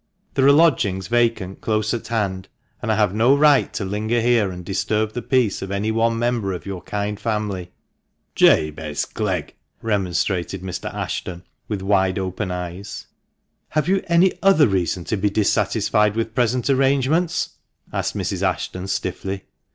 There are lodgings vacant close at hand ; and I have no right to linger here and disturb the peace of any one member of your kind family." "Jabez Clegg," remonstrated Mr. Ashton, with wide open eyes. " Have you any other reason to be dissatisfied with present arrangements ?" asked Mrs. Ashton stiffly.